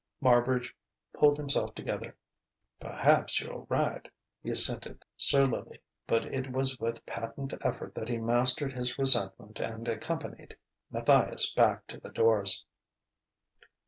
Marbridge pulled himself together. "Perhaps you're right," he assented surlily. But it was with patent effort that he mastered his resentment and accompanied Matthias back to the doors.